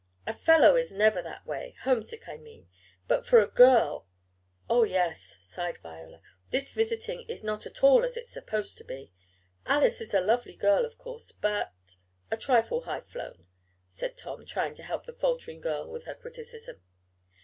"A fellow is never that way homesick, I mean; but for a girl " "Oh, yes," sighed Viola, "this visiting is not all it is supposed to be. Alice is a lovely girl, of course, but " "A trifle high flown," said Tom, trying to help the faltering girl with her criticism.